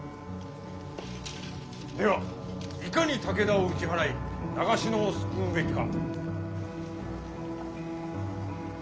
ではいかに武田を打ち払い長篠を救うべきか。